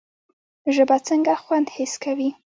ژبه څنګه خوند حس کوي؟